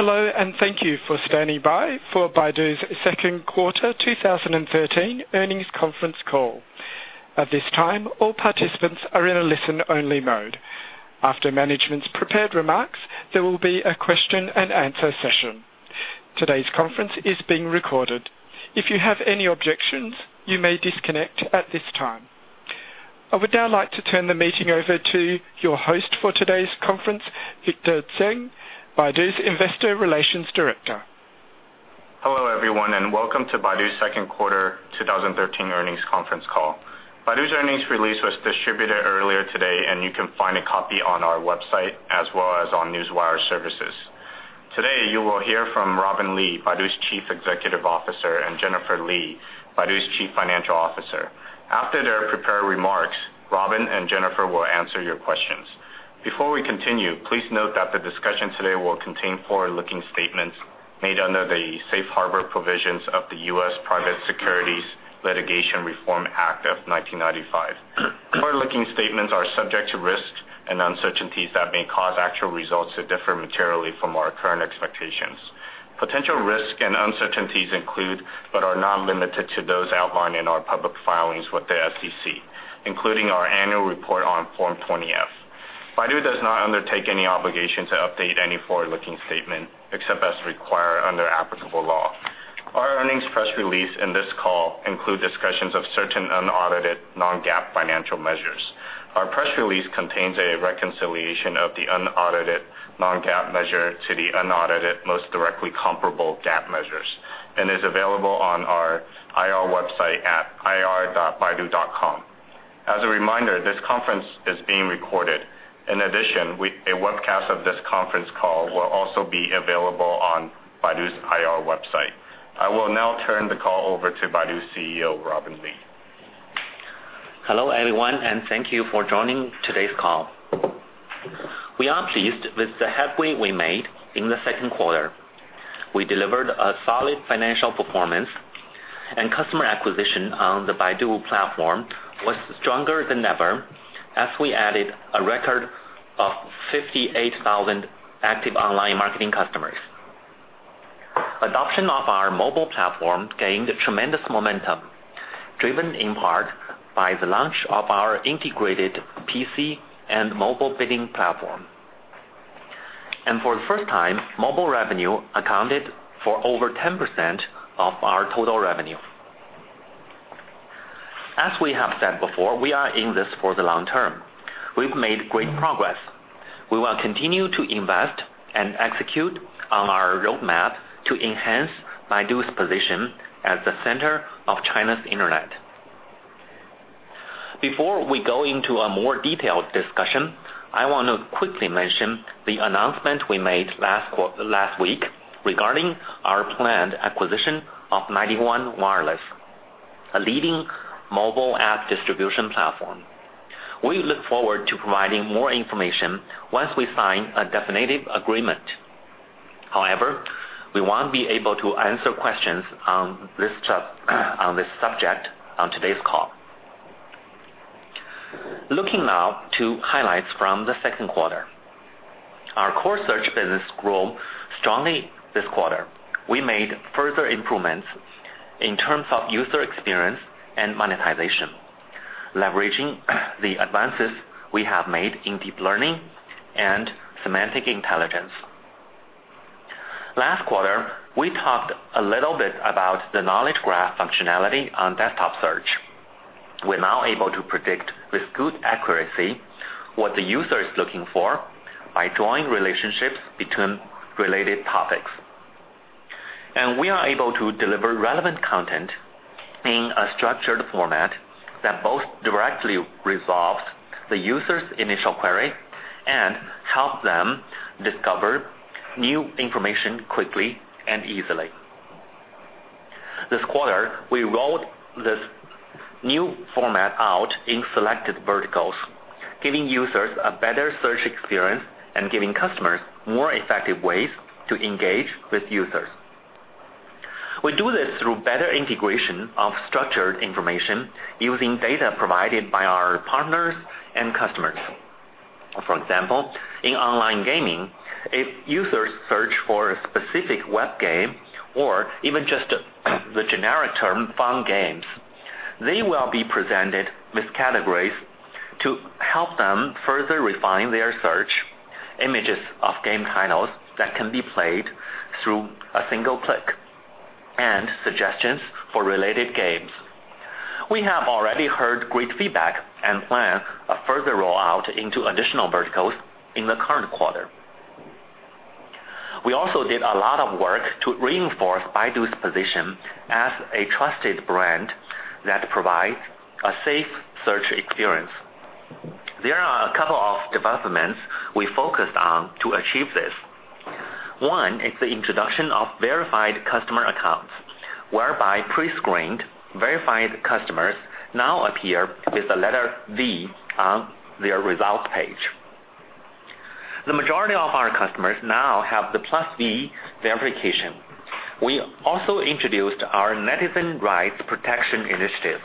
Hello, and thank you for standing by for Baidu's second quarter 2013 earnings conference call. At this time, all participants are in a listen-only mode. After management's prepared remarks, there will be a question and answer session. Today's conference is being recorded. If you have any objections, you may disconnect at this time. I would now like to turn the meeting over to your host for today's conference, Victor Tseng, Baidu's Investor Relations Director. Hello, everyone, and welcome to Baidu's second quarter 2013 earnings conference call. Baidu's earnings release was distributed earlier today. You can find a copy on our website as well as on Newswire services. Today, you will hear from Robin Li, Baidu's Chief Executive Officer, and Jennifer Li, Baidu's Chief Financial Officer. After their prepared remarks, Robin and Jennifer will answer your questions. Before we continue, please note that the discussion today will contain forward-looking statements made under the Safe Harbor provisions of the U.S. Private Securities Litigation Reform Act of 1995. Forward-looking statements are subject to risks and uncertainties that may cause actual results to differ materially from our current expectations. Potential risks and uncertainties include, but are not limited to, those outlined in our public filings with the SEC, including our annual report on Form 20-F. Baidu does not undertake any obligation to update any forward-looking statement except as required under applicable law. Our earnings press release and this call include discussions of certain unaudited non-GAAP financial measures. Our press release contains a reconciliation of the unaudited non-GAAP measure to the unaudited most directly comparable GAAP measures and is available on our IR website at ir.baidu.com. As a reminder, this conference is being recorded. In addition, a webcast of this conference call will also be available on Baidu's IR website. I will now turn the call over to Baidu's CEO, Robin Li. Hello, everyone, and thank you for joining today's call. We are pleased with the headway we made in the second quarter. We delivered a solid financial performance. Customer acquisition on the Baidu platform was stronger than ever as we added a record of 58,000 active online marketing customers. Adoption of our mobile platform gained tremendous momentum, driven in part by the launch of our integrated PC and mobile bidding platform. For the first time, mobile revenue accounted for over 10% of our total revenue. As we have said before, we are in this for the long term. We've made great progress. We will continue to invest and execute on our roadmap to enhance Baidu's position at the center of China's internet. Before we go into a more detailed discussion, I want to quickly mention the announcement we made last week regarding our planned acquisition of 91 Wireless, a leading mobile app distribution platform. We look forward to providing more information once we sign a definitive agreement. However, we won't be able to answer questions on this subject on today's call. Looking now to highlights from the second quarter. Our core search business grew strongly this quarter. We made further improvements in terms of user experience and monetization, leveraging the advances we have made in deep learning and semantic intelligence. Last quarter, we talked a little bit about the knowledge graph functionality on desktop search. We're now able to predict with good accuracy what the user is looking for by drawing relationships between related topics. We are able to deliver relevant content in a structured format that both directly resolves the user's initial query and help them discover new information quickly and easily. This quarter, we rolled this new format out in selected verticals, giving users a better search experience and giving customers more effective ways to engage with users. We do this through better integration of structured information using data provided by our partners and customers. For example, in online gaming, if users search for a specific web game or even just the generic term fun games, they will be presented with categories to help them further refine their search, images of game titles that can be played through a single click, and suggestions for related games. We have already heard great feedback and plan a further rollout into additional verticals in the current quarter. We also did a lot of work to reinforce Baidu's position as a trusted brand that provides a safe search experience. There are a couple of developments we focused on to achieve this. One is the introduction of verified customer accounts, whereby pre-screened, verified customers now appear with the letter V on their results page. The majority of our customers now have the +V verification. We also introduced our Netizen Rights Protection Initiative.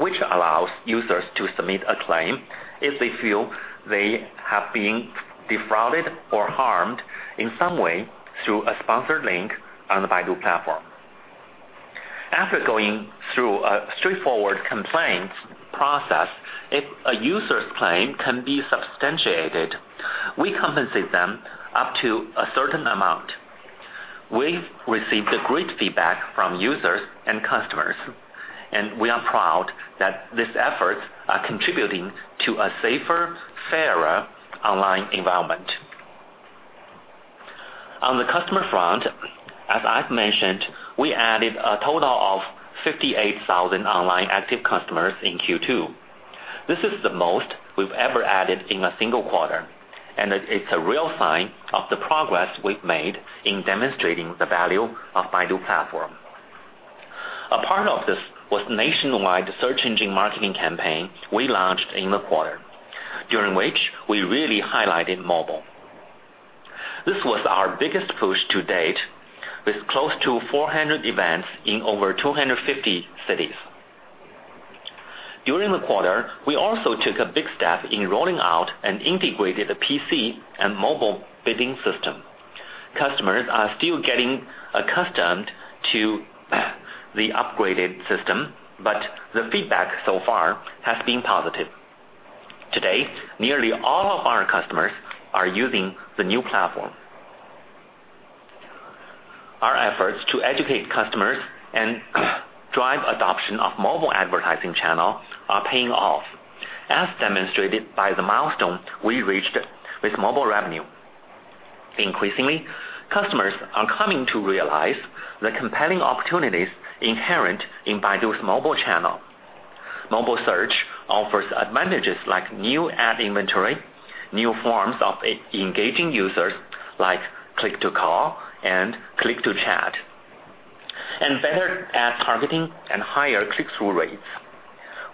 Which allows users to submit a claim if they feel they have been defrauded or harmed in some way through a sponsored link on the Baidu platform. After going through a straightforward complaints process, if a user's claim can be substantiated, we compensate them up to a certain amount. We've received great feedback from users and customers, and we are proud that these efforts are contributing to a safer, fairer online environment. On the customer front, as I've mentioned, we added a total of 58,000 online active customers in Q2. This is the most we've ever added in a single quarter, and it's a real sign of the progress we've made in demonstrating the value of Baidu platform. A part of this was nationwide search engine marketing campaign we launched in the quarter, during which we really highlighted mobile. This was our biggest push to date, with close to 400 events in over 250 cities. During the quarter, we also took a big step in rolling out an integrated PC and mobile bidding system. Customers are still getting accustomed to the upgraded system, but the feedback so far has been positive. Today, nearly all of our customers are using the new platform. Our efforts to educate customers and drive adoption of mobile advertising channel are paying off, as demonstrated by the milestone we reached with mobile revenue. Increasingly, customers are coming to realize the compelling opportunities inherent in Baidu's mobile channel. Mobile search offers advantages like new ad inventory, new forms of engaging users, like click-to-call and click-to-chat, and better ad targeting and higher click-through rates.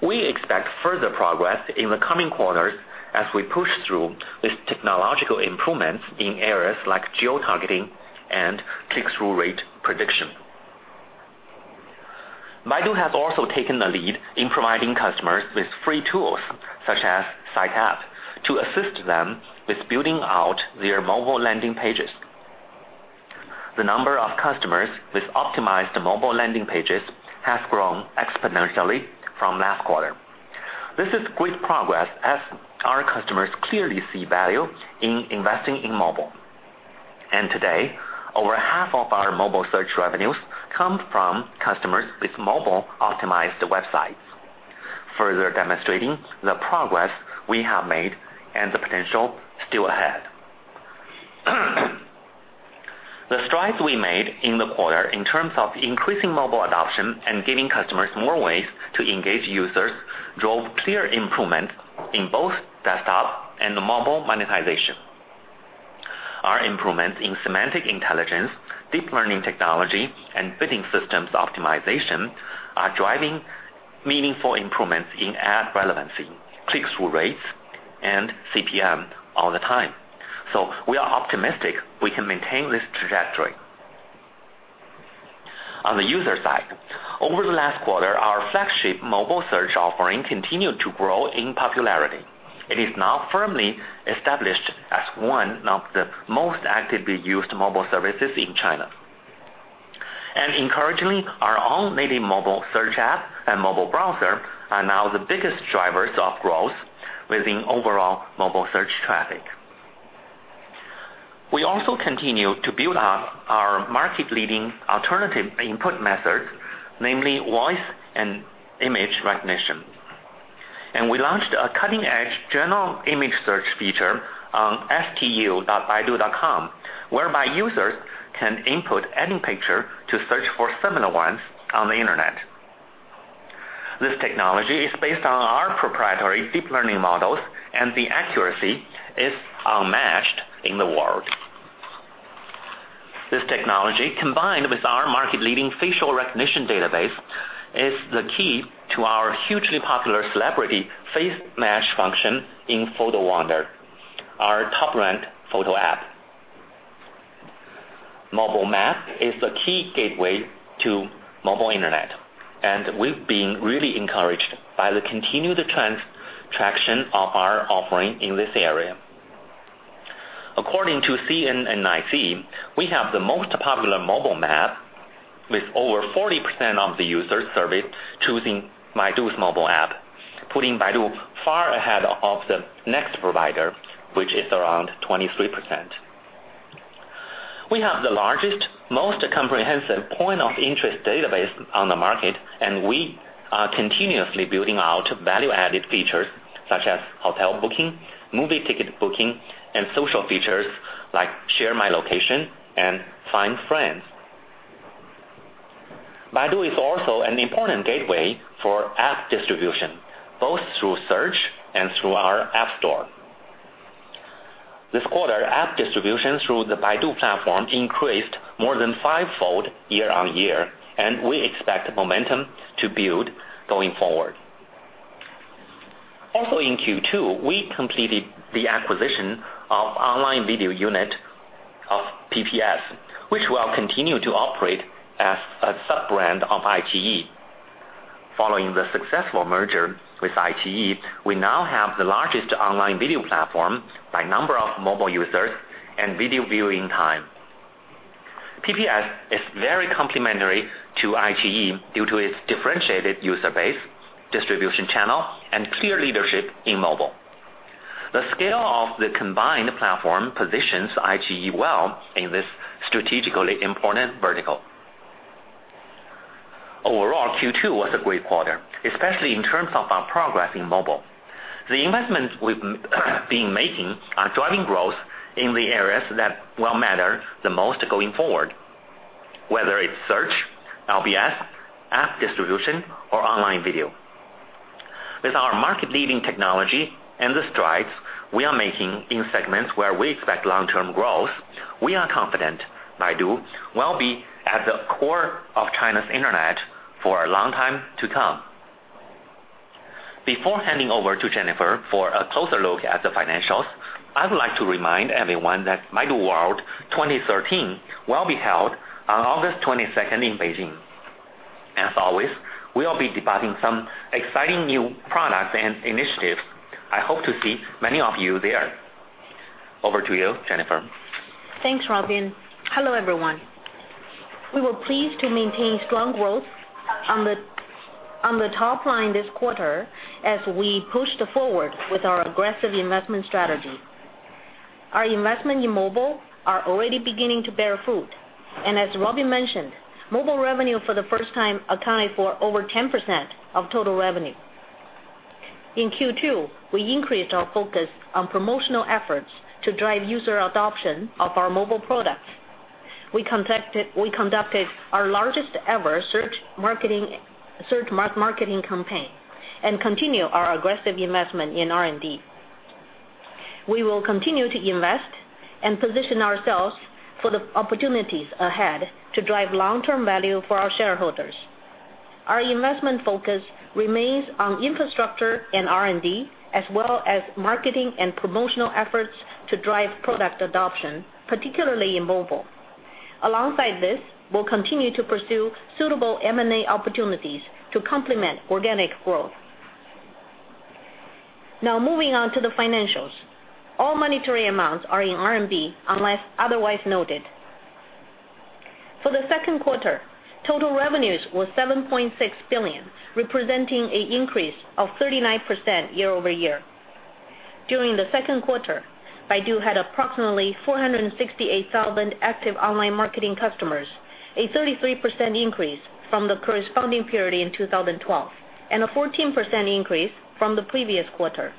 We expect further progress in the coming quarters as we push through with technological improvements in areas like geotargeting and click-through rate prediction. Baidu has also taken the lead in providing customers with free tools, such as Site App, to assist them with building out their mobile landing pages. The number of customers with optimized mobile landing pages has grown exponentially from last quarter. This is great progress as our customers clearly see value in investing in mobile. Today, over half of our mobile search revenues come from customers with mobile-optimized websites, further demonstrating the progress we have made and the potential still ahead. The strides we made in the quarter in terms of increasing mobile adoption and giving customers more ways to engage users drove clear improvement in both desktop and mobile monetization. Our improvements in semantic intelligence, deep learning technology, and bidding systems optimization are driving meaningful improvements in ad relevancy, click-through rates, and CPM all the time. We are optimistic we can maintain this trajectory. On the user side, over the last quarter, our flagship mobile search offering continued to grow in popularity. It is now firmly established as one of the most actively used mobile services in China. Encouragingly, our own native mobile search app and mobile browser are now the biggest drivers of growth within overall mobile search traffic. We also continue to build up our market-leading alternative input methods, namely voice and image recognition. We launched a cutting-edge general image search feature on shitu.baidu.com, whereby users can input any picture to search for similar ones on the internet. This technology is based on our proprietary deep learning models, and the accuracy is unmatched in the world. This technology, combined with our market-leading facial recognition database, is the key to our hugely popular celebrity face match function in Photo Wonder, our top-ranked photo app. Mobile Map is the key gateway to mobile internet, and we've been really encouraged by the continued traction of our offering in this area. According to CNNIC, we have the most popular mobile map, with over 40% of the users surveyed choosing Baidu's mobile app, putting Baidu far ahead of the next provider, which is around 23%. We have the largest, most comprehensive point of interest database on the market, and we are continuously building out value-added features such as hotel booking, movie ticket booking, and social features like Share My Location and Find Friends. Baidu is also an important gateway for app distribution, both through search and through our app store. This quarter, app distribution through the Baidu platform increased more than five-fold year-on-year, and we expect momentum to build going forward. In Q2, we completed the acquisition of online video unit of PPS, which will continue to operate as a sub-brand of iQIYI. Following the successful merger with iQIYI, we now have the largest online video platform by number of mobile users and video viewing time. PPS is very complementary to iQIYI due to its differentiated user base, distribution channel, and clear leadership in mobile. The scale of the combined platform positions iQIYI well in this strategically important vertical. Overall, Q2 was a great quarter, especially in terms of our progress in mobile. The investments we've been making are driving growth in the areas that will matter the most going forward, whether it's search, LBS, app distribution, or online video. With our market-leading technology and the strides we are making in segments where we expect long-term growth, we are confident Baidu will be at the core of China's internet for a long time to come. Before handing over to Jennifer for a closer look at the financials, I would like to remind everyone that Baidu World 2013 will be held on August 22nd in Beijing. As always, we'll be debuting some exciting new products and initiatives. I hope to see many of you there. Over to you, Jennifer. Thanks, Robin. Hello, everyone. We were pleased to maintain strong growth on the top line this quarter as we pushed forward with our aggressive investment strategy. Our investment in mobile are already beginning to bear fruit. As Robin mentioned, mobile revenue for the first time accounted for over 10% of total revenue. In Q2, we increased our focus on promotional efforts to drive user adoption of our mobile products. We conducted our largest ever search marketing campaign and continue our aggressive investment in R&D. We will continue to invest and position ourselves for the opportunities ahead to drive long-term value for our shareholders. Our investment focus remains on infrastructure and R&D, as well as marketing and promotional efforts to drive product adoption, particularly in mobile. Alongside this, we'll continue to pursue suitable M&A opportunities to complement organic growth. Now, moving on to the financials. All monetary amounts are in RMB unless otherwise noted. For the second quarter, total revenues were 7.6 billion, representing an increase of 39% year-over-year. During the second quarter, Baidu had approximately 468,000 active online marketing customers, a 33% increase from the corresponding period in 2012, and a 14% increase from the previous quarter.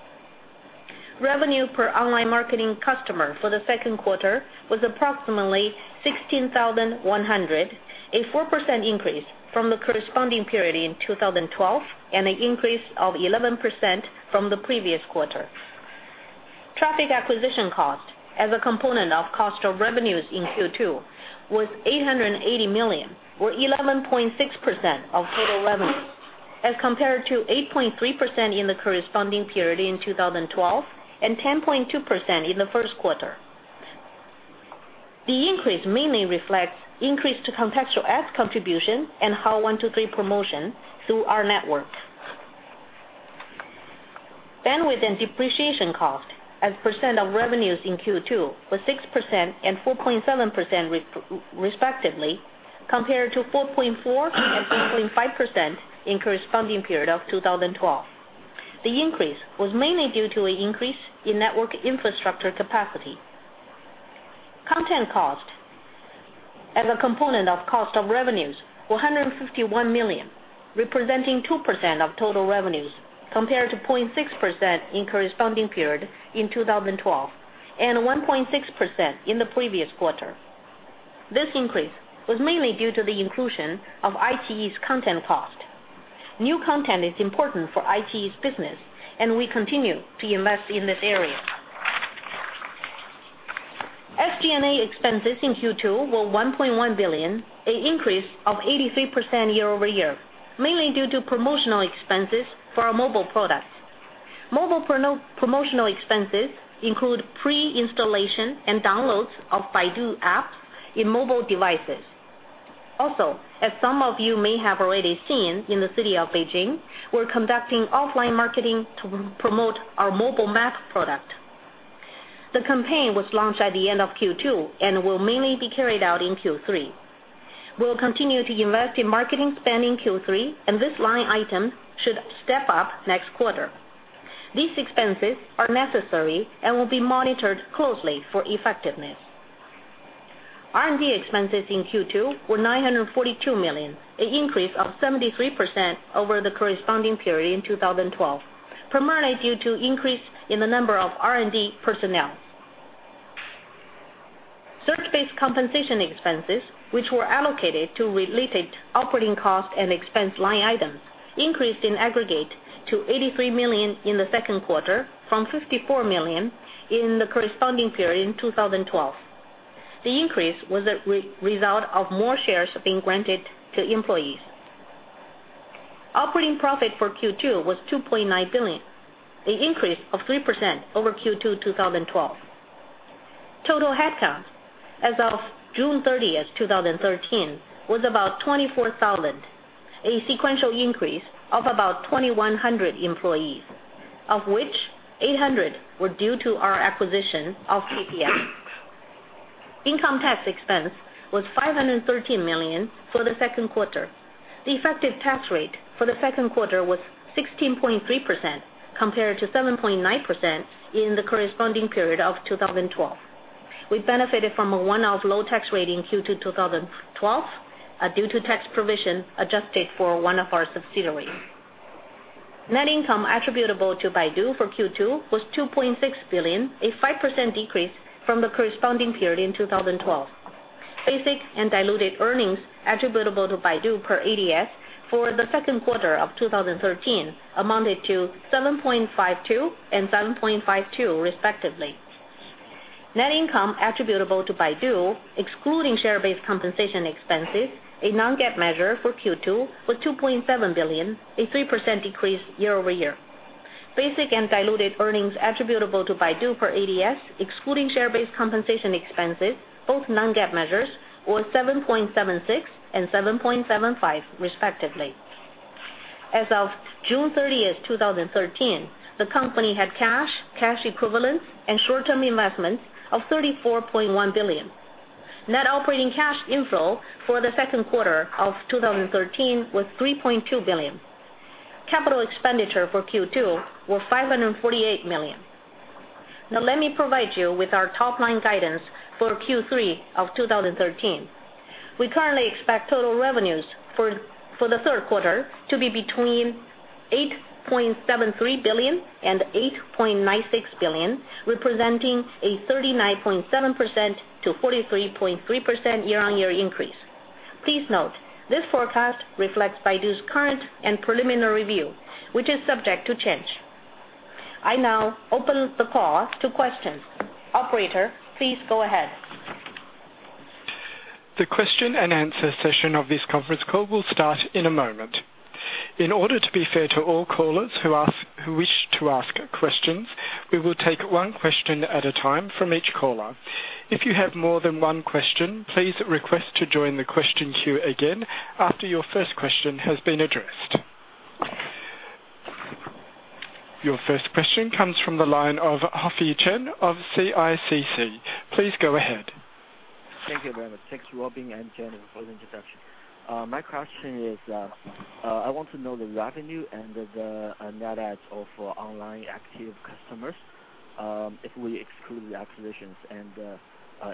Revenue per online marketing customer for the second quarter was approximately 16,100, a 4% increase from the corresponding period in 2012, and an increase of 11% from the previous quarter. Traffic acquisition cost as a component of cost of revenues in Q2 was 880 million, or 11.6% of total revenue, as compared to 8.3% in the corresponding period in 2012 and 10.2% in the first quarter. The increase mainly reflects increased contextual ads contribution and Hao123 promotion through our network. Bandwidth and depreciation cost as % of revenues in Q2 were 6% and 4.7%, respectively, compared to 4.4% and 3.5% in corresponding period of 2012. The increase was mainly due to an increase in network infrastructure capacity. Content cost as a component of cost of revenues were 151 million, representing 2% of total revenues, compared to 0.6% in corresponding period in 2012, and 1.6% in the previous quarter. This increase was mainly due to the inclusion of iQIYI's content cost. New content is important for iQIYI's business. We continue to invest in this area. SG&A expenses in Q2 were 1.1 billion, an increase of 83% year-over-year, mainly due to promotional expenses for our mobile products. Mobile promotional expenses include pre-installation and downloads of Baidu apps in mobile devices. As some of you may have already seen in the city of Beijing, we're conducting offline marketing to promote our mobile maps product. The campaign was launched at the end of Q2 and will mainly be carried out in Q3. We'll continue to invest in marketing spend in Q3, and this line item should step up next quarter. These expenses are necessary and will be monitored closely for effectiveness. R&D expenses in Q2 were 942 million, an increase of 73% over the corresponding period in 2012, primarily due to increase in the number of R&D personnel. Search-based compensation expenses, which were allocated to related operating costs and expense line items, increased in aggregate to 83 million in the second quarter from 54 million in the corresponding period in 2012. The increase was a result of more shares being granted to employees. Operating profit for Q2 was 2.9 billion, an increase of 3% over Q2 2012. Total headcount as of June 30th, 2013 was about 24,000, a sequential increase of about 2,100 employees, of which 800 were due to our acquisition of PPS.tv. Income tax expense was 513 million for the second quarter. The effective tax rate for the second quarter was 16.3% compared to 7.9% in the corresponding period of 2012. We benefited from a one-off low tax rate in Q2 2012, due to tax provision adjusted for one of our subsidiaries. Net income attributable to Baidu for Q2 was 2.6 billion, a 5% decrease from the corresponding period in 2012. Basic and diluted earnings attributable to Baidu per ADS for the second quarter of 2013 amounted to $7.52 and $7.52 respectively. Net income attributable to Baidu, excluding share-based compensation expenses, a non-GAAP measure for Q2, was 2.7 billion, a 3% decrease year-over-year. Basic and diluted earnings attributable to Baidu per ADS excluding share-based compensation expenses, both non-GAAP measures, were $7.76 and $7.75, respectively. As of June 30th, 2013, the company had cash equivalents, and short-term investments of 34.1 billion. Net operating cash inflow for the second quarter of 2013 was RMB 3.2 billion. Capital expenditure for Q2 was RMB 548 million. Now let me provide you with our top-line guidance for Q3 of 2013. We currently expect total revenues for the third quarter to be between 8.73 billion and 8.96 billion, representing a 39.7%-43.3% year-on-year increase. Please note, this forecast reflects Baidu's current and preliminary review, which is subject to change. I now open the call to questions. Operator, please go ahead. The question and answer session of this conference call will start in a moment. In order to be fair to all callers who wish to ask questions, we will take one question at a time from each caller. If you have more than one question, please request to join the question queue again after your first question has been addressed. Your first question comes from the line of Haofei Chen of CICC. Please go ahead. Thank you very much. Thanks, Robin and Jen, for the introduction. My question is, I want to know the revenue and the net adds of online active customers, if we exclude the acquisitions and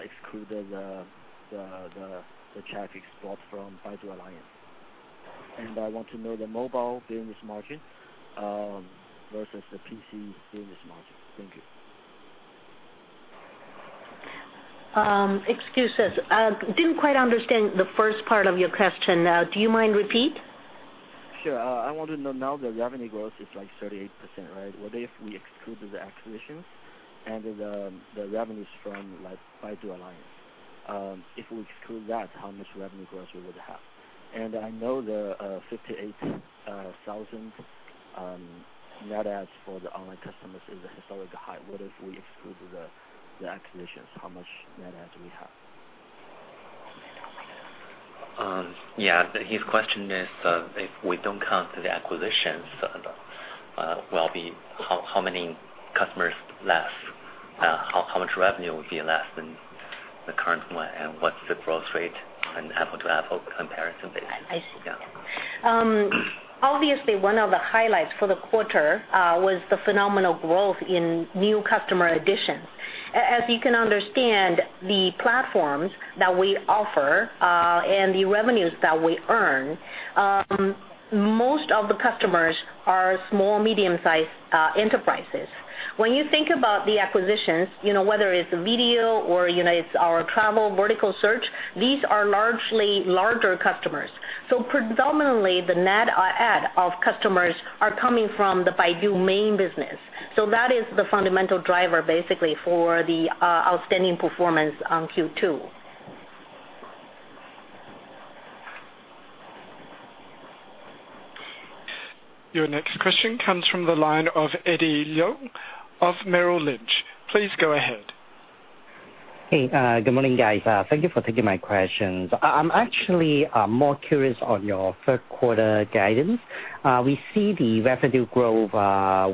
exclude the [traffic spot] from Baidu Alliance. I want to know the mobile business margin, versus the PC business margin. Thank you. Excuse us. Didn't quite understand the first part of your question. Do you mind repeat? Sure. I want to know now the revenue growth is like 38%, right? What if we exclude the acquisitions and the revenues from Baidu Alliance? If we exclude that, how much revenue growth we would have? I know the 58,000 net adds for the online customers is a historic high. What if we exclude the acquisitions? How much net adds we have? Yeah. His question is, if we don't count the acquisitions, will be how many customers less? How much revenue would be less than the current one, and what's the growth rate on an apple-to-apple comparison basis? I see. Yeah. One of the highlights for the quarter was the phenomenal growth in new customer additions. As you can understand, the platforms that we offer, and the revenues that we earn, most of the customers are small, medium-sized enterprises. When you think about the acquisitions, whether it's video or it's our travel vertical search, these are largely larger customers. Predominantly, the net add of customers are coming from the Baidu main business. That is the fundamental driver, basically, for the outstanding performance on Q2. Your next question comes from the line of Eddie Leung of Merrill Lynch. Please go ahead. Hey, good morning, guys. Thank you for taking my questions. I'm actually more curious on your third quarter guidance. We see the revenue growth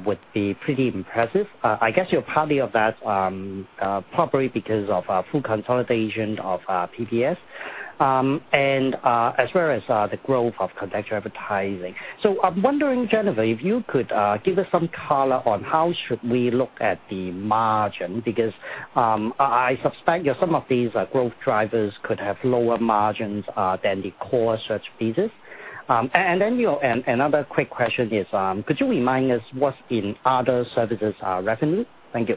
would be pretty impressive. I guess part of that probably because of full consolidation of PPS.tv, as well as the growth of contextual advertising. I'm wondering, Jennifer, if you could give us some color on how should we look at the margin, because I suspect some of these growth drivers could have lower margins than the core search pieces. Another quick question is, could you remind me what's in other services revenue? Thank you.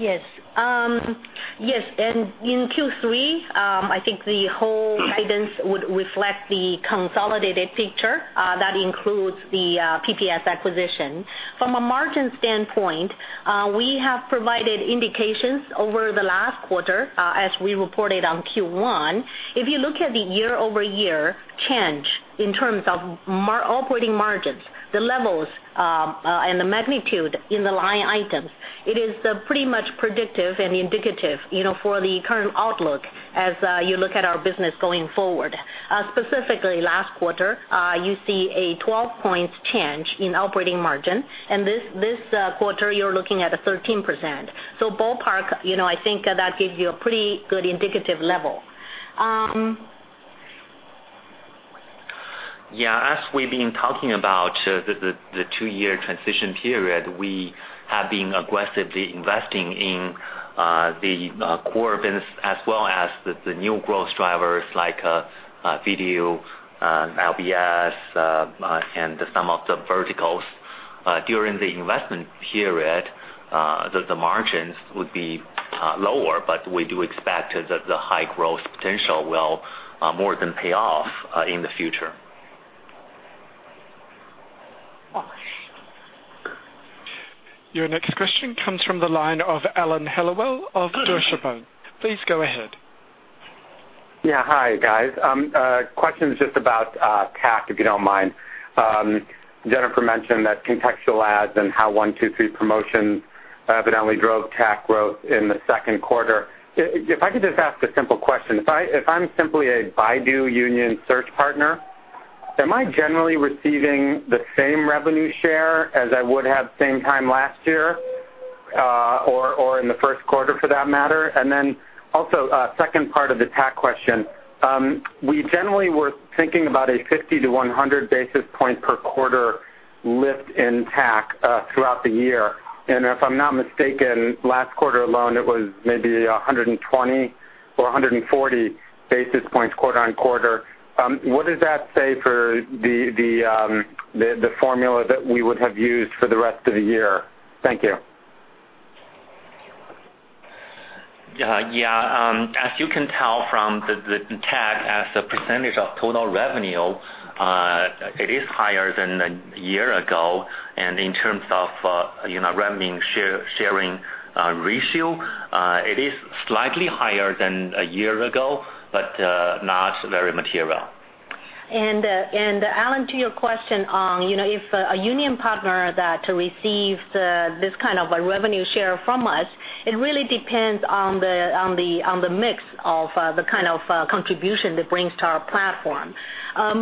Yes. In Q3, I think the whole guidance would reflect the consolidated picture that includes the PPS.tv acquisition. From a margin standpoint, we have provided indications over the last quarter as we reported on Q1. If you look at the year-over-year change in terms of operating margins, the levels, and the magnitude in the line items, it is pretty much predictive and indicative for the current outlook as you look at our business going forward. Specifically, last quarter, you see a 12-point change in operating margin, and this quarter you're looking at a 13%. Ballpark, I think that gives you a pretty good indicative level. As we've been talking about the two-year transition period, we have been aggressively investing in the core business as well as the new growth drivers like video, LBS, and some of the verticals. During the investment period, the margins would be lower, we do expect that the high growth potential will more than pay off in the future. Your next question comes from the line of Alan Hellawell of Deutsche Bank. Please go ahead. Hi, guys. Question's just about TAC, if you don't mind. Jennifer mentioned that contextual ads and Hao123 promotion evidently drove TAC growth in the second quarter. If I could just ask a simple question. If I'm simply a Baidu Union search partner, am I generally receiving the same revenue share as I would have same time last year, or in the first quarter for that matter? Then also, second part of the TAC question. We generally were thinking about a 50 to 100 basis points per quarter lift in TAC throughout the year. If I'm not mistaken, last quarter alone, it was maybe 120 or 140 basis points quarter-on-quarter. What does that say for the formula that we would have used for the rest of the year? Thank you. Yeah. As you can tell from the TAC as a percentage of total revenue, it is higher than a year ago. In terms of revenue sharing ratio, it is slightly higher than a year ago, but not very material. Alan, to your question on if a union partner that receives this kind of a revenue share from us, it really depends on the mix of the kind of contribution that brings to our platform.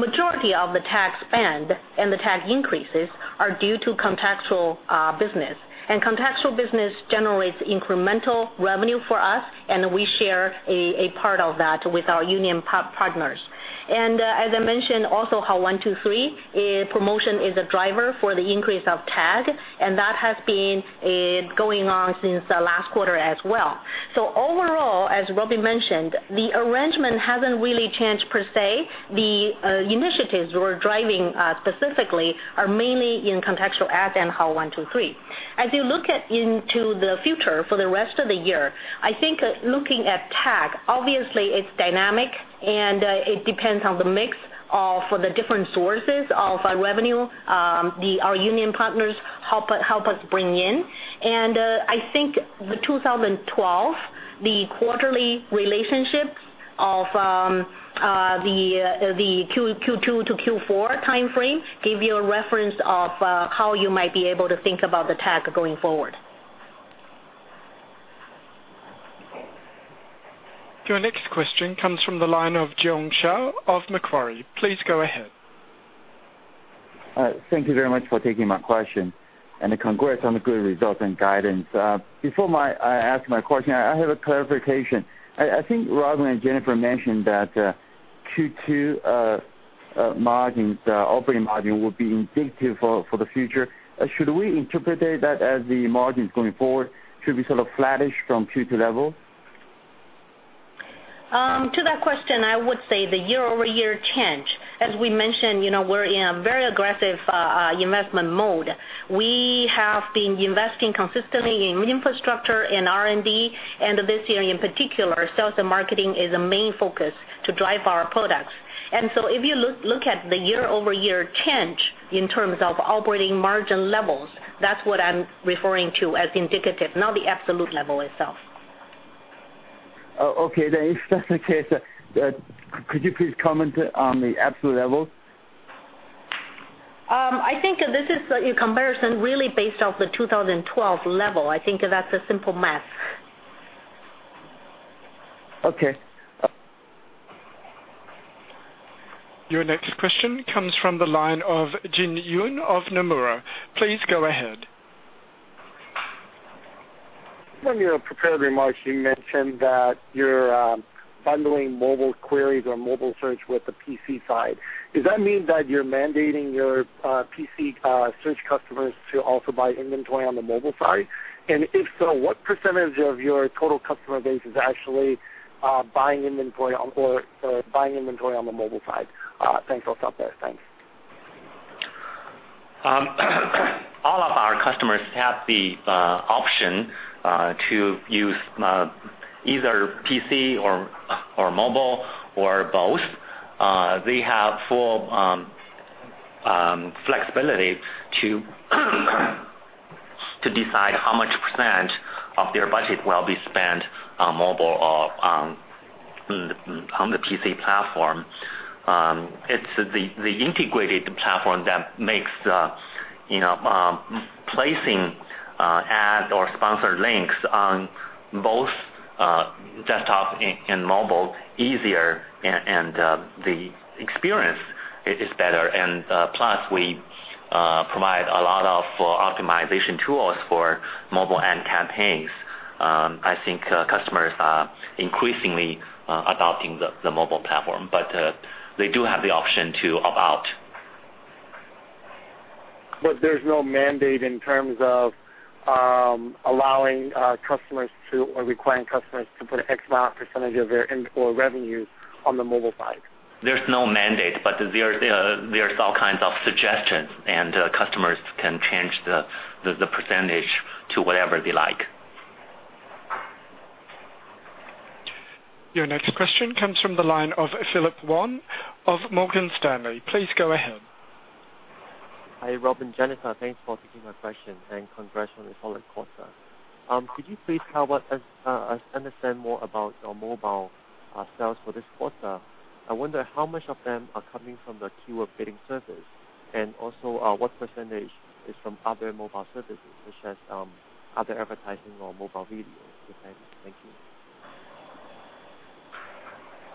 Majority of the TAC spend and the TAC increases are due to contextual business, and contextual business generates incremental revenue for us, and we share a part of that with our union partners. As I mentioned, also, Hao123 promotion is a driver for the increase of TAC, and that has been going on since the last quarter as well. Overall, as Robin mentioned, the arrangement hasn't really changed per se. The initiatives we're driving specifically are mainly in contextual ADS and Hao123. As you look into the future for the rest of the year, I think looking at TAC, obviously it's dynamic and it depends on the mix of the different sources of revenue our union partners help us bring in. I think with 2012, the quarterly relationships of the Q2 to Q4 time frame give you a reference of how you might be able to think about the TAC going forward. Your next question comes from the line of Jiong Shao of Macquarie. Please go ahead. Thank you very much for taking my question, and congrats on the good results and guidance. Before I ask my question, I have a clarification. I think Robin and Jennifer mentioned that Q2 operating margin will be indicative for the future. Should we interpret that as the margins going forward should be sort of flattish from Q2 level? To that question, I would say the year-over-year change. As we mentioned, we're in a very aggressive investment mode. We have been investing consistently in infrastructure and R&D. This year in particular, sales and marketing is a main focus to drive our products. If you look at the year-over-year change in terms of operating margin levels, that's what I'm referring to as indicative, not the absolute level itself. Oh, okay. If that's the case, could you please comment on the absolute level? I think this is a comparison really based off the 2012 level. I think that's a simple math. Okay. Your next question comes from the line of Jin Yoon of Nomura. Please go ahead. In your prepared remarks, you mentioned that you're bundling mobile queries or mobile search with the PC side. Does that mean that you're mandating your PC search customers to also buy inventory on the mobile side? If so, what % of your total customer base is actually buying inventory on the mobile side? Thanks. I'll stop there. Thanks. All of our customers have the option to use either PC or mobile, or both. They have full flexibility to decide how much % of their budget will be spent on mobile or on the PC platform. It's the integrated platform that makes placing ad or sponsored links on both desktop and mobile easier, and the experience is better. Plus, we provide a lot of optimization tools for mobile ad campaigns. I think customers are increasingly adopting the mobile platform. They do have the option to opt-out. There's no mandate in terms of allowing customers to, or requiring customers to put X amount of % of their ad revenues on the mobile side? There's no mandate, but there are all kinds of suggestions, and customers can change the percentage to whatever they like. Your next question comes from the line of Philip Wan of Morgan Stanley. Please go ahead. Hi, Robin, Jennifer. Thanks for taking my question, and congrats on a solid quarter. Could you please help us understand more about your mobile sales for this quarter? I wonder how much of them are coming from the keyword bidding service, and also what percentage is from other mobile services, such as other advertising or mobile videos? Thank you.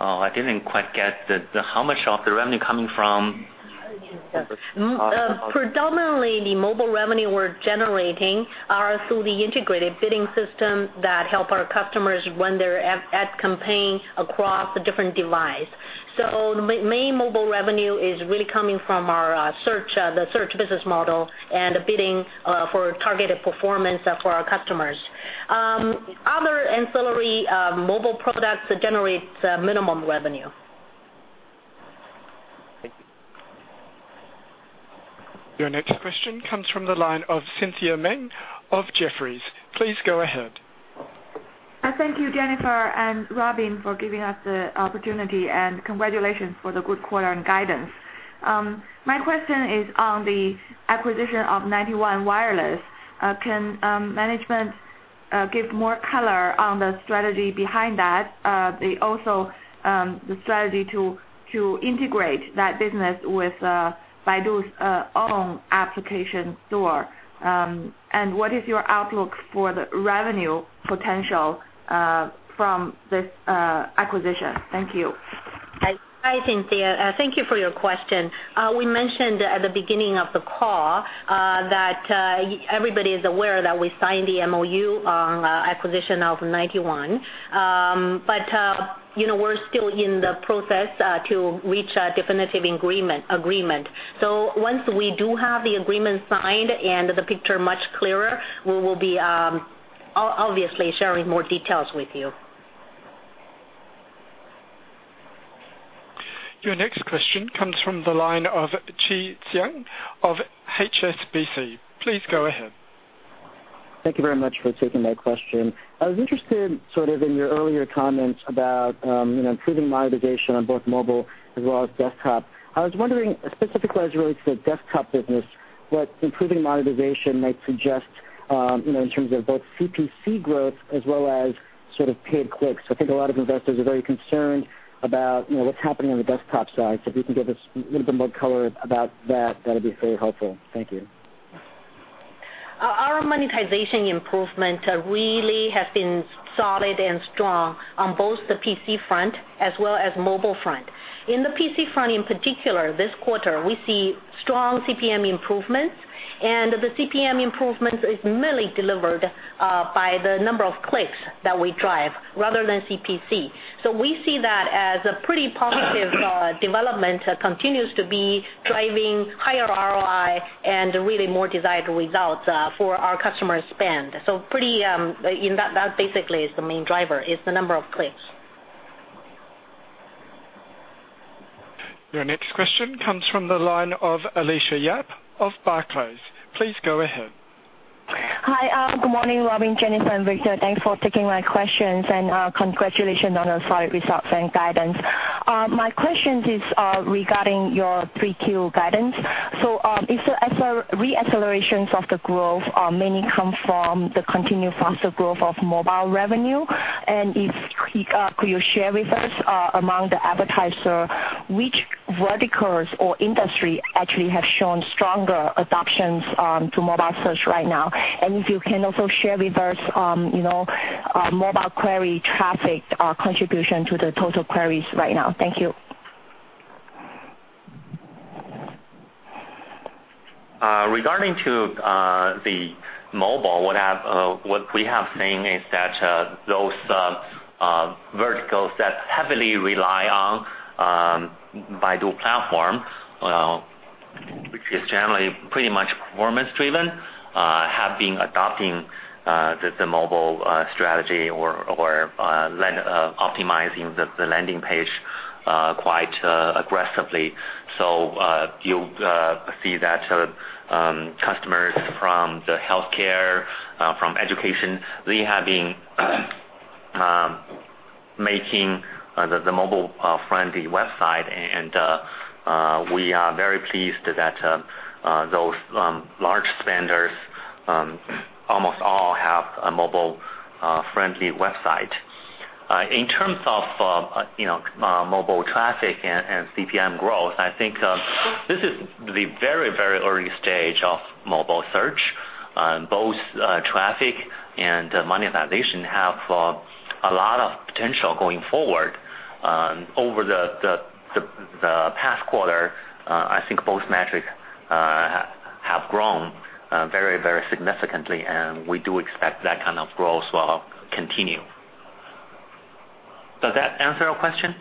Oh, I didn't quite get How much of the revenue coming from Other mobile. Predominantly, the mobile revenue we're generating are through the integrated bidding system that help our customers run their ad campaign across the different device. The main mobile revenue is really coming from the search business model and the bidding for targeted performance for our customers. Other ancillary mobile products generate minimum revenue. Thank you. Your next question comes from the line of Cynthia Meng of Jefferies. Please go ahead. Thank you, Jennifer and Robin, for giving us the opportunity, and congratulations for the good quarter and guidance. My question is on the acquisition of 91 Wireless. Can management give more color on the strategy behind that? Also, the strategy to integrate that business with Baidu's own application store. What is your outlook for the revenue potential from this acquisition? Thank you. Hi, Cynthia. Thank you for your question. We mentioned at the beginning of the call that everybody is aware that we signed the MOU on acquisition of 91. We're still in the process to reach a definitive agreement. Once we do have the agreement signed and the picture much clearer, we will be obviously sharing more details with you. Your next question comes from the line of Chi Tsang of HSBC. Please go ahead. Thank you very much for taking my question. I was interested sort of in your earlier comments about improving monetization on both mobile as well as desktop. I was wondering specifically as it relates to the desktop business, what improving monetization might suggest in terms of both CPC growth as well as sort of paid clicks. I think a lot of investors are very concerned about what's happening on the desktop side. If you can give us a little bit more color about that'd be very helpful. Thank you. Our monetization improvement really has been solid and strong on both the PC front as well as mobile front. In the PC front, in particular, this quarter, we see strong CPM improvements, and the CPM improvements is mainly delivered by the number of clicks that we drive rather than CPC. We see that as a pretty positive development continues to be driving higher ROI and really more desired results for our customers' spend. That basically is the main driver, is the number of clicks. Your next question comes from the line of Alicia Yap of Barclays. Please go ahead. Hi. Good morning, Robin, Jennifer, and Victor. Thanks for taking my questions, and congratulations on the solid results and guidance. My question is regarding your 3Q guidance. As a re-acceleration of the growth mainly come from the continued faster growth of mobile revenue. Could you share with us among the advertiser, which verticals or industry actually have shown stronger adoptions to mobile search right now? If you can also share with us mobile query traffic contribution to the total queries right now? Thank you. Regarding to the mobile, what we have seen is that those verticals that heavily rely on Baidu platform, which is generally pretty much performance driven, have been adopting the mobile strategy or optimizing the landing page quite aggressively. You see that customers from the healthcare, from education, they have been making the mobile-friendly website, and we are very pleased that those large spenders almost all have a mobile-friendly website. In terms of mobile traffic and CPM growth, I think this is the very early stage of mobile search. Both traffic and monetization have a lot of potential going forward. Over the past quarter, I think both metrics have grown very significantly, and we do expect that kind of growth will continue. Does that answer your question?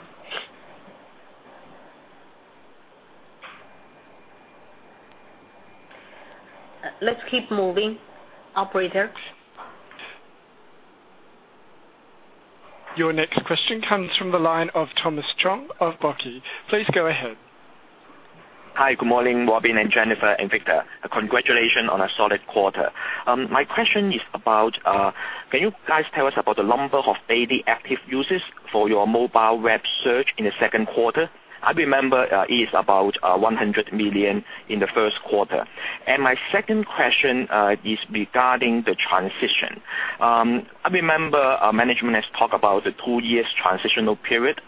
Let's keep moving. Operator? Your next question comes from the line of Thomas Chong of BOCI. Please go ahead. Hi, good morning, Robin and Jennifer and Victor. Congratulations on a solid quarter. My question is about, can you guys tell us about the number of daily active users for your mobile web search in the second quarter? I remember it is about 100 million in the first quarter. My second question is regarding the transition. I remember management has talked about the two years transitional period.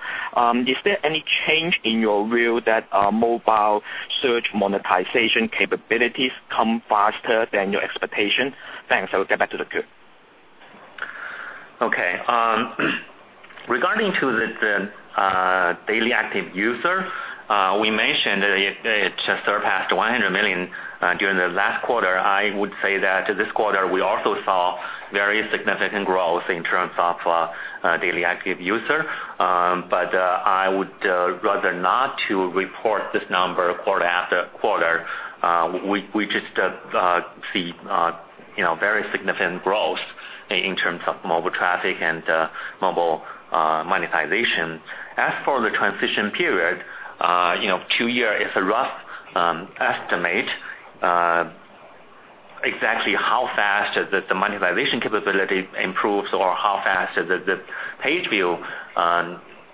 Is there any change in your view that mobile search monetization capabilities come faster than your expectation? Thanks. I will get back to the queue. Okay. Regarding to the daily active user, we mentioned it surpassed 100 million during the last quarter. I would say that this quarter we also saw very significant growth in terms of daily active user. I would rather not to report this number quarter after quarter. We just see very significant growth in terms of mobile traffic and mobile monetization. As for the transition period, two year is a rough estimate. Exactly how fast the monetization capability improves or how fast the page view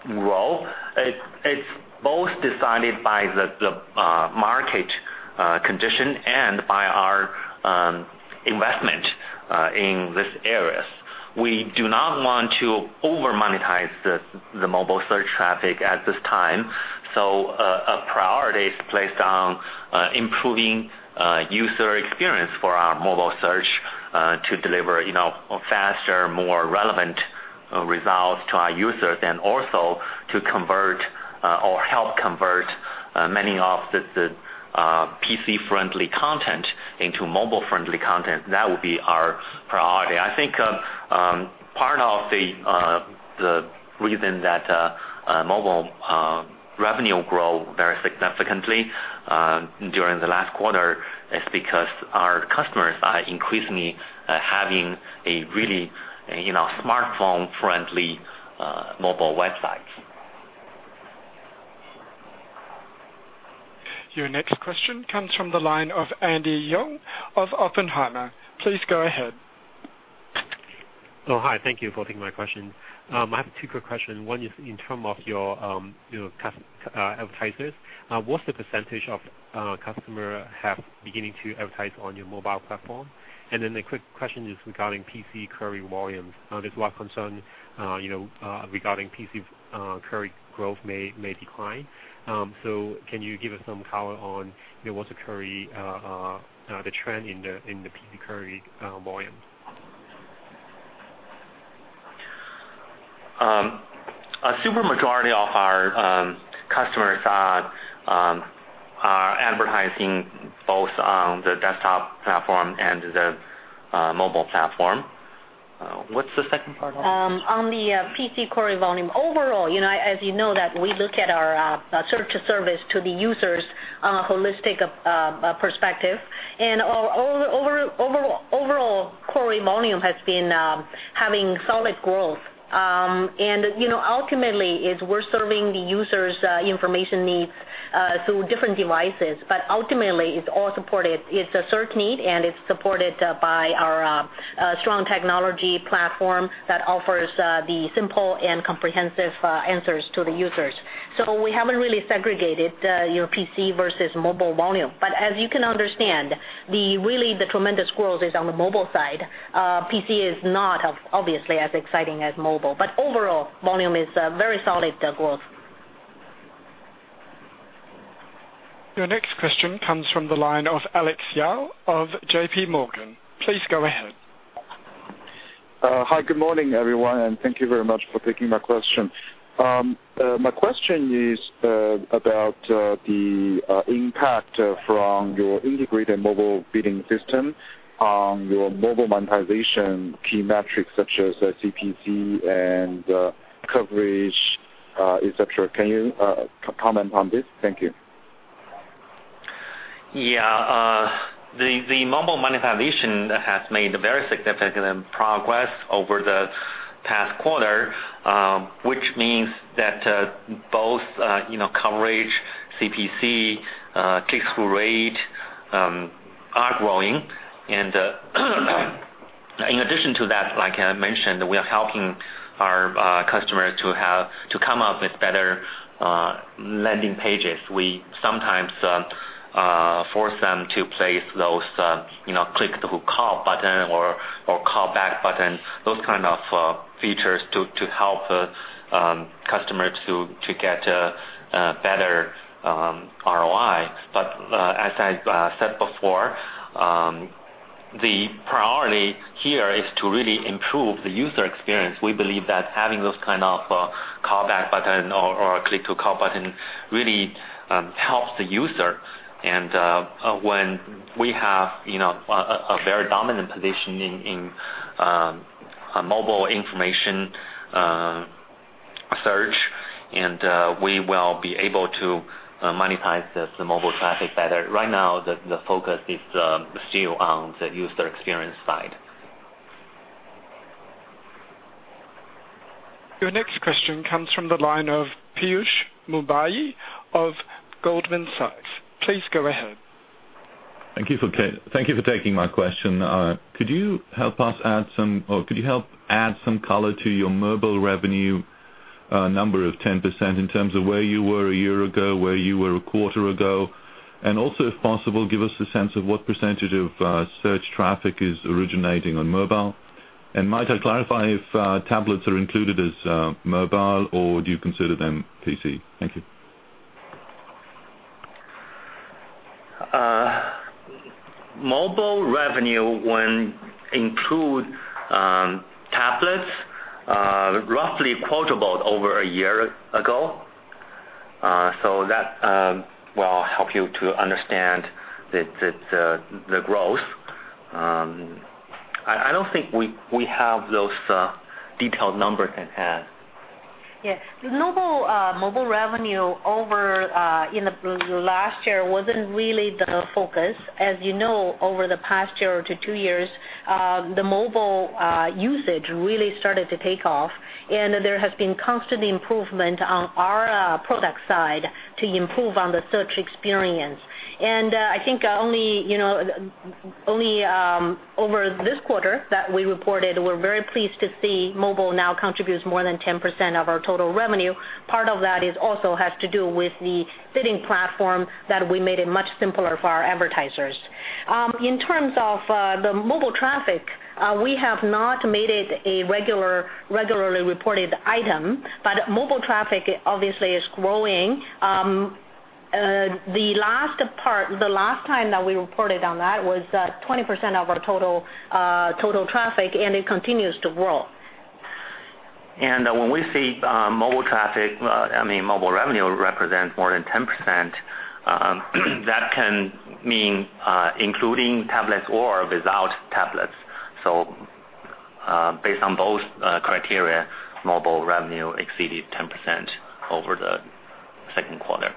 grow, it's both decided by the market condition and by our investment in these areas. We do not want to over monetize the mobile search traffic at this time. Our priority is placed on improving user experience for our mobile search to deliver faster, more relevant results to our users and also to convert or help convert many of the PC-friendly content into mobile-friendly content. That would be our priority. I think part of the reason that mobile revenue grow very significantly during the last quarter is because our customers are increasingly having a really smartphone-friendly mobile website. Your next question comes from the line of Andy Yeung of Oppenheimer. Please go ahead. Oh, hi. Thank you for taking my question. I have two quick questions. One is in term of your advertisers, what's the percentage of customer have beginning to advertise on your mobile platform? A quick question is regarding PC query volumes. There's a lot of concern regarding PC query growth may decline. Can you give us some color on what's the trend in the PC query volume? A super majority of our customers are advertising both on the desktop platform and the mobile platform. What's the second part of the question? On the PC query volume. Overall, as you know that we look at our search service to the users holistic perspective. Overall query volume has been having solid growth. Ultimately, is we're serving the user's information needs through different devices. Ultimately, it's a search need, and it's supported by our strong technology platform that offers the simple and comprehensive answers to the users. We haven't really segregated your PC versus mobile volume. As you can understand, really the tremendous growth is on the mobile side. PC is not obviously as exciting as mobile, but overall volume is very solid growth. Your next question comes from the line of Alex Yao of JPMorgan. Please go ahead. Hi, good morning, everyone, and thank you very much for taking my question. My question is about the impact from your integrated mobile bidding system on your mobile monetization key metrics such as CPC and coverage, et cetera. Can you comment on this? Thank you. Yeah. The mobile monetization has made very significant progress over the past quarter, which means that both coverage, CPC, click-through rate are growing. In addition to that, like I mentioned, we are helping our customers to come up with better landing pages. We sometimes force them to place those click to call button or call back button, those kind of features to help customers to get a better ROI. As I said before, the priority here is to really improve the user experience. We believe that having those kind of call back button or click to call button really helps the user. When we have a very dominant position in mobile information search, and we will be able to monetize the mobile traffic better. Right now, the focus is still on the user experience side. Your next question comes from the line of Piyush Mubayi of Goldman Sachs. Please go ahead. Thank you for taking my question. Could you help add some color to your mobile revenue number of 10% in terms of where you were a year ago, where you were a quarter ago, and also, if possible, give us a sense of what percentage of search traffic is originating on mobile. Might I clarify if tablets are included as mobile, or do you consider them PC? Thank you. Mobile revenue when include tablets, roughly quotable over a year ago. That will help you to understand the growth. I don't think we have those detailed numbers in hand. Yes. Mobile revenue over in the last year wasn't really the focus. As you know, over the past year to two years, the mobile usage really started to take off, and there has been constant improvement on our product side to improve on the search experience. I think only over this quarter that we reported, we're very pleased to see mobile now contributes more than 10% of our total revenue. Part of that is also has to do with the bidding platform that we made it much simpler for our advertisers. In terms of the mobile traffic, we have not made it a regularly reported item, but mobile traffic obviously is growing. The last time that we reported on that was that 20% of our total traffic, and it continues to grow. When we say mobile traffic, I mean mobile revenue represent more than 10%, that can mean including tablets or without tablets. Based on both criteria, mobile revenue exceeded 10% over the second quarter.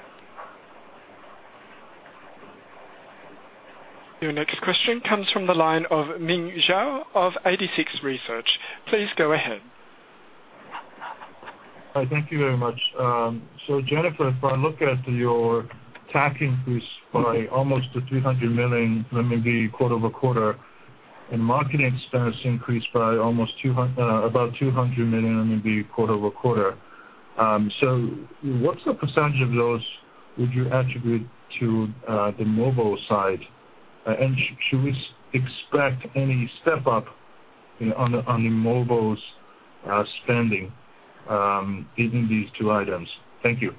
Your next question comes from the line of Ming Zhao of 86Research. Please go ahead. Hi. Thank you very much. Jennifer, if I look at your TAC increase by almost 300 million RMB quarter-over-quarter, marketing expense increased by about 200 million RMB quarter-over-quarter. What's the percentage of those would you attribute to the mobile side? Should we expect any step up on the mobile spending given these two items? Thank you.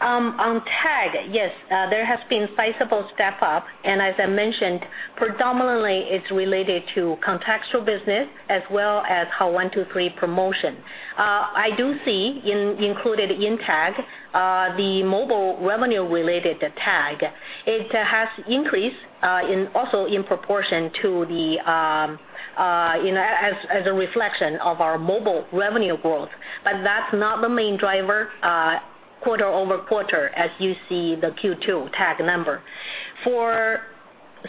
On TAC, yes. There has been sizable step up and as I mentioned, predominantly it's related to contextual business as well as our Hao123 promotion. I do see included in TAC, the mobile revenue related to TAC. It has increased also in proportion as a reflection of our mobile revenue growth. That's not the main driver, quarter-over-quarter as you see the Q2 TAC number. For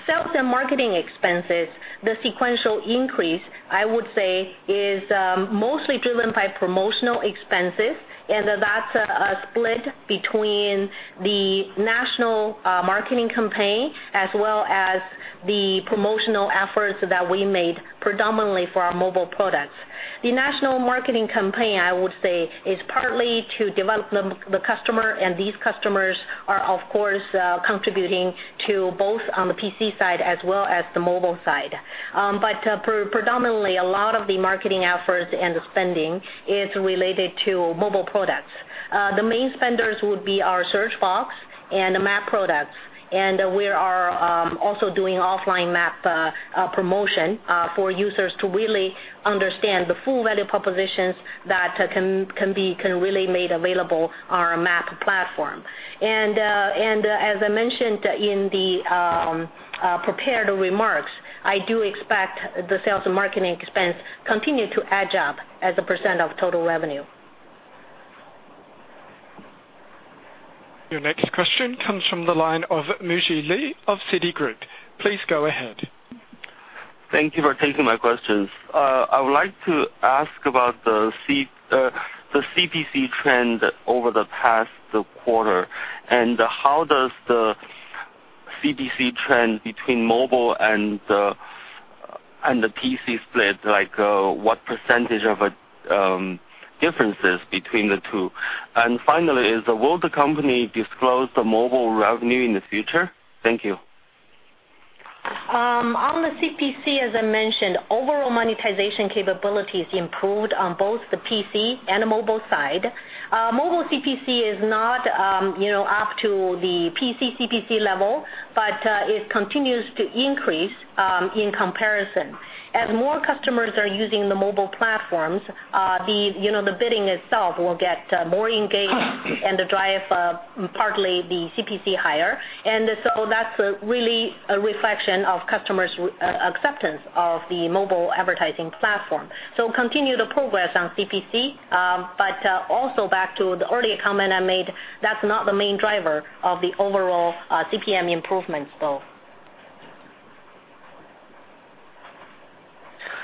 sales and marketing expenses, the sequential increase, I would say, is mostly driven by promotional expenses, that's a split between the national marketing campaign as well as the promotional efforts that we made predominantly for our mobile products. The national marketing campaign, I would say, is partly to develop the customer, these customers are, of course, contributing to both on the PC side as well as the mobile side. Predominantly, a lot of the marketing efforts, the spending is related to mobile products. The main spenders would be our search box and map products, we are also doing offline map promotion for users to really understand the full value propositions that can really made available on our map platform. As I mentioned in the prepared remarks, I do expect the sales and marketing expense continue to edge up as a percent of total revenue. Your next question comes from the line of Muzhi Li of Citigroup. Please go ahead. Thank you for taking my questions. I would like to ask about the CPC trend over the past quarter, how does the CPC trend between mobile and the PC split, like what percentage of differences between the two? Finally, will the company disclose the mobile revenue in the future? Thank you. On the CPC, as I mentioned, overall monetization capabilities improved on both the PC and mobile side. Mobile CPC is not up to the PC CPC level, but it continues to increase in comparison. As more customers are using the mobile platforms, the bidding itself will get more engaged and drive partly the CPC higher. That's really a reflection of customers' acceptance of the mobile advertising platform. Continue the progress on CPC, but also back to the earlier comment I made, that's not the main driver of the overall CPM improvements, though.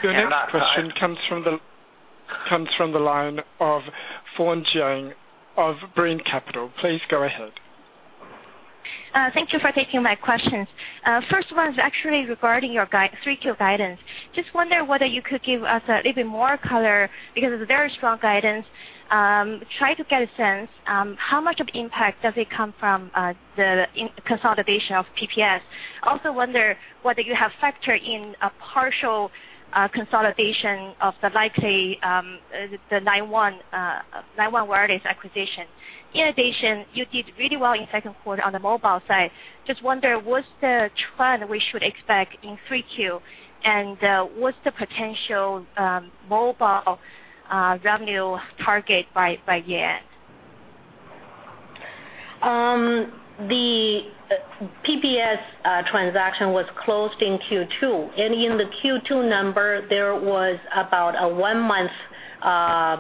Your next question comes from the line of Feng Jiang of Brean Capital. Please go ahead. Thank you for taking my questions. First one is actually regarding your 3Q guidance. Just wonder whether you could give us a little bit more color because it's a very strong guidance. Try to get a sense how much of impact does it come from the consolidation of PPS.tv. Also wonder whether you have factored in a partial consolidation of the likely, the 91 Wireless acquisition. You did really well in second quarter on the mobile side. Just wonder what's the trend we should expect in 3Q, and what's the potential mobile revenue target by year-end? The PPS.tv transaction was closed in Q2. In the Q2 number, there was about a one-month inclusion of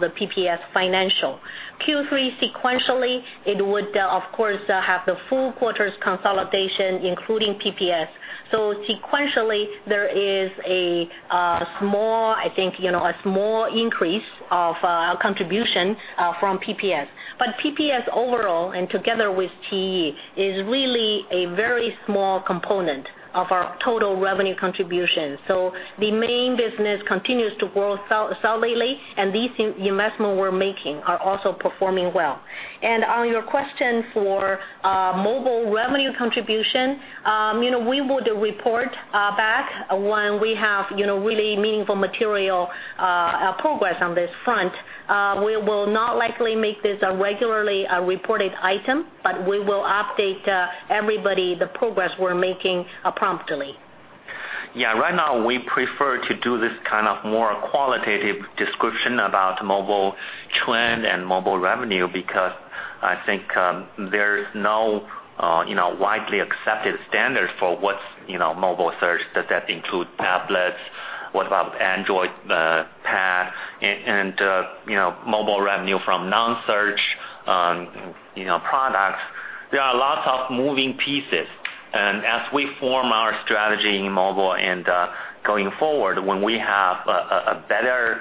the PPS.tv financial. Q3 sequentially, it would, of course, have the full quarter's consolidation, including PPS.tv. Sequentially, there is a small increase of contribution from PPS.tv. PPS.tv overall and together with iQiyi, is really a very small component of our total revenue contribution. The main business continues to grow solidly, and these investments we're making are also performing well. On your question for mobile revenue contribution, we would report back when we have really meaningful material progress on this front. We will not likely make this a regularly reported item, but we will update everybody the progress we're making promptly. Yeah. Right now we prefer to do this kind of more qualitative description about mobile trend and mobile revenue because I think there is no widely accepted standard for what's mobile search. Does that include tablets? What about Android pad and mobile revenue from non-search products? There are lots of moving pieces. As we form our strategy in mobile and going forward when we have a better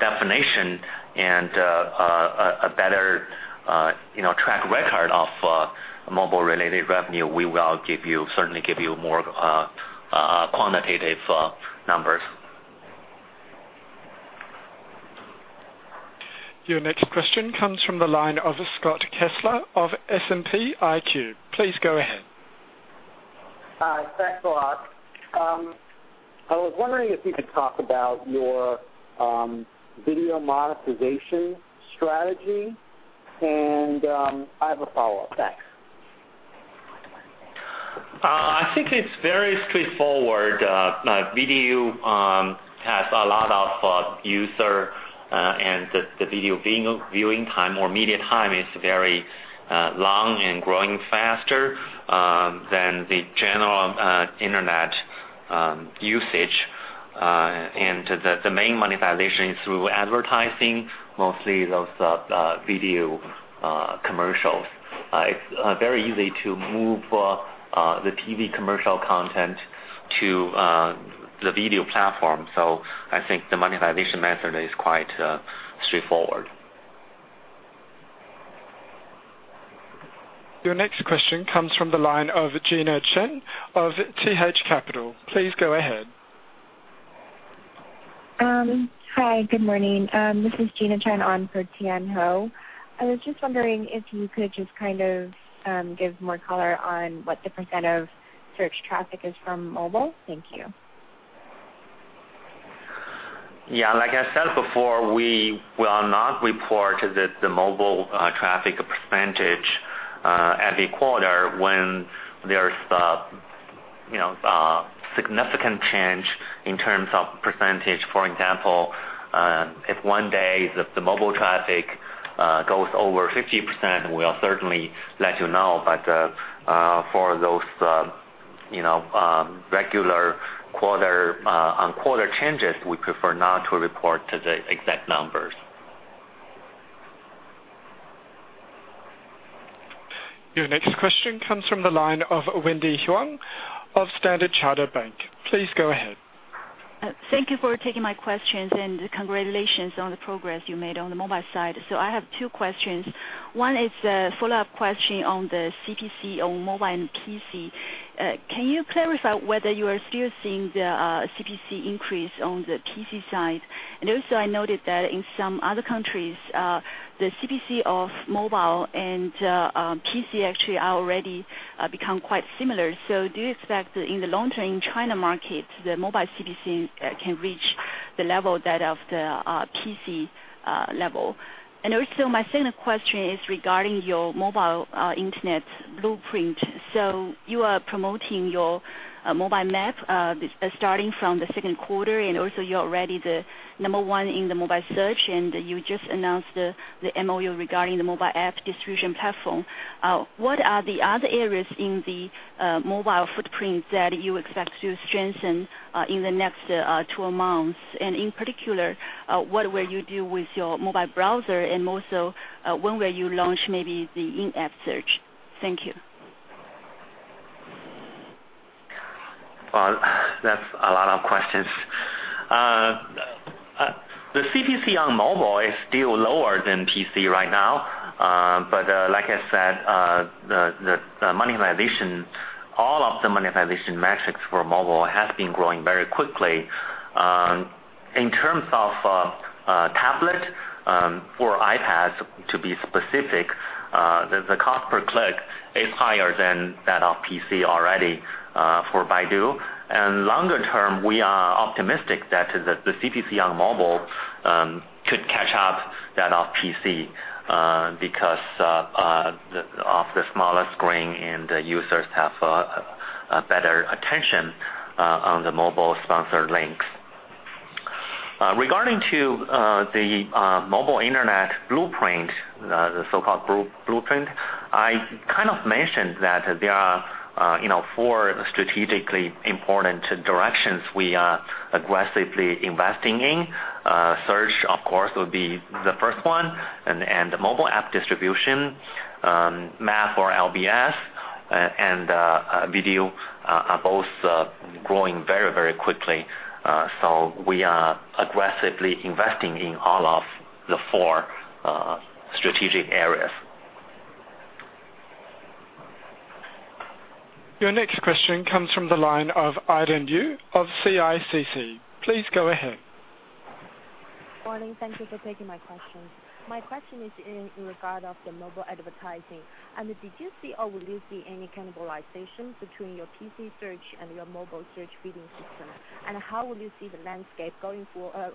definition and a better track record of mobile-related revenue, we will certainly give you more quantitative numbers. Your next question comes from the line of Scott Kessler of S&P IQ. Please go ahead. Hi, thanks a lot. I was wondering if you could talk about your video monetization strategy. I have a follow-up. Thanks. I think it's very straightforward. Video has a lot of users. The video viewing time or media time is very long and growing faster than the general internet usage. The main monetization is through advertising, mostly those video commercials. It's very easy to move the TV commercial content to the video platform. I think the monetization method is quite straightforward. Your next question comes from the line of Gina Chen of TH Capital. Please go ahead. Hi, good morning. This is Gina Chen on for Tian Hou. I was just wondering if you could just kind of give more color on what the % of search traffic is from mobile. Thank you. Like I said before, we will not report the mobile traffic percentage every quarter when there's a significant change in terms of percentage. For example, if one day the mobile traffic goes over 50%, we'll certainly let you know. For those regular quarter-on-quarter changes, we prefer not to report the exact numbers. Your next question comes from the line of Wendy Huang of Standard Chartered Bank. Please go ahead. Thank you for taking my questions, congratulations on the progress you made on the mobile side. I have two questions. One is a follow-up question on the CPC on mobile and PC. Can you clarify whether you are still seeing the CPC increase on the PC side? Also, I noted that in some other countries, the CPC of mobile and PC actually already become quite similar. Do you expect in the long term, China market, the mobile CPC can reach the level that of the PC level? Also, my second question is regarding your mobile internet blueprint. You are promoting your mobile map starting from the second quarter, also you're already the number 1 in the mobile search, and you just announced the MOU regarding the mobile app distribution platform. What are the other areas in the mobile footprint that you expect to strengthen in the next 12 months? In particular, what will you do with your mobile browser? Also, when will you launch maybe the in-app search? Thank you. Well, that's a lot of questions. The CPC on mobile is still lower than PC right now. Like I said, all of the monetization metrics for mobile has been growing very quickly. In terms of tablet or iPads, to be specific, the cost per click is higher than that of PC already for Baidu. Longer term, we are optimistic that the CPC on mobile could catch up that of PC, because of the smaller screen and users have better attention on the mobile sponsored links. Regarding to the mobile internet blueprint, the so-called blueprint, I kind of mentioned that there are four strategically important directions we are aggressively investing in. Search, of course, would be the first one, the mobile app distribution, map or LBS, and video are both growing very quickly. We are aggressively investing in all of the four strategic areas. Your next question comes from the line of Irene Yu of CICC. Please go ahead. Morning. Thank you for taking my questions. My question is in regard of the mobile advertising. Did you see or will you see any cannibalization between your PC search and your mobile search feeding system? How will you see the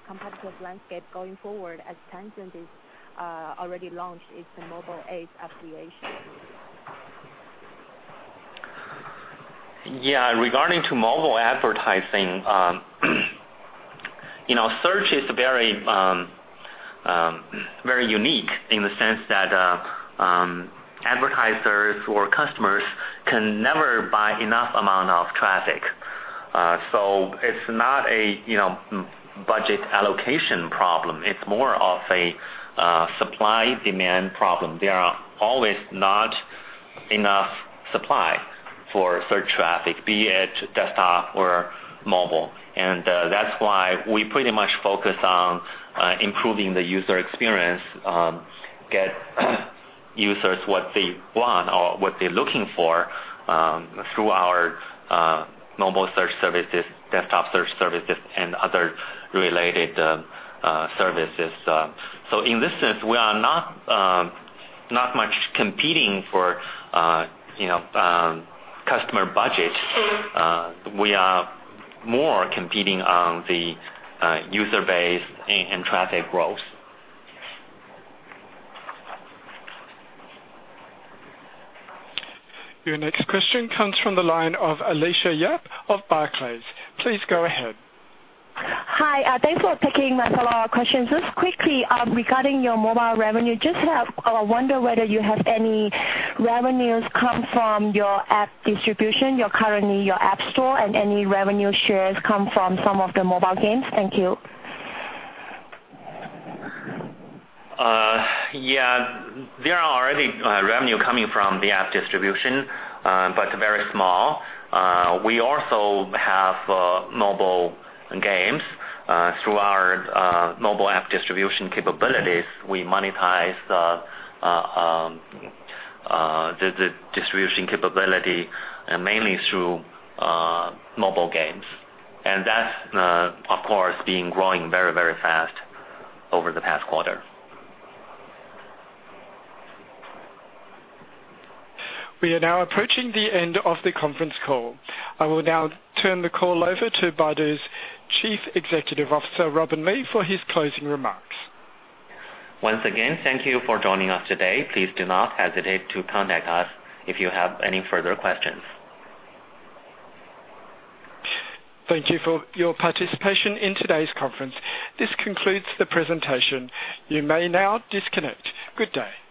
competitive landscape going forward as Tencent has already launched its mobile ads application? Yeah, regarding to mobile advertising, search is very unique in the sense that advertisers or customers can never buy enough amount of traffic. It's not a budget allocation problem, it's more of a supply-demand problem. There are always not enough supply for search traffic, be it desktop or mobile. That's why we pretty much focus on improving the user experience, get users what they want or what they're looking for through our mobile search services, desktop search services, and other related services. In this sense, we are not much competing for customer budgets. We are more competing on the user base and traffic growth. Your next question comes from the line of Alicia Yap of Barclays. Please go ahead. Hi. Thanks for taking my follow-up questions. Just quickly, regarding your mobile revenue, I wonder whether you have any revenues come from your app distribution, currently your app store, and any revenue shares come from some of the mobile games. Thank you. Yeah. There are already revenue coming from the app distribution, but very small. We also have mobile games. Through our mobile app distribution capabilities, we monetize the distribution capability mainly through mobile games. That's, of course, been growing very fast over the past quarter. We are now approaching the end of the conference call. I will now turn the call over to Baidu's Chief Executive Officer, Robin Li, for his closing remarks. Once again, thank you for joining us today. Please do not hesitate to contact us if you have any further questions. Thank you for your participation in today's conference. This concludes the presentation. You may now disconnect. Good day.